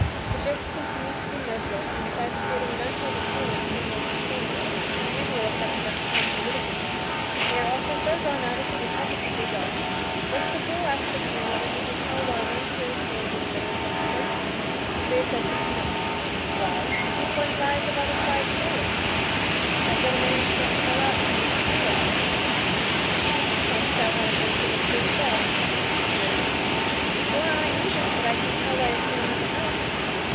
The jokes continue to be mirthless and besides creating an unpleasant feeling, similar to shame, the usual effect of unsuccessful witticisms, they are also so drawn out as to be positively dull. Thus the fool asks the King whether he can tell why one's nose stands in the middle of one's face? Lear says he can not. "Why, to keep one's eyes of either side 's nose, that what a man can not smell out, he may spy out." "Canst tell how an oyster makes his shell?" "No." "Nor I either; but I can tell why a snail has a house."